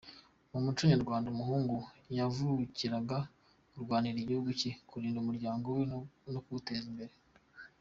Mu muco nyarwanda umuhungu yavukiraga kurwanirira igihugu cye, kurinda umuryango we no kuwuteza imbere.